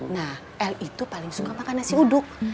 nah l itu paling suka makan nasi uduk